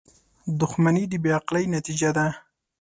• دښمني د بې عقلۍ نتیجه ده.